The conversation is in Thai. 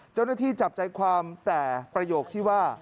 เจ้าหน้าที่จับใจความแต่ประโยคที่ว่า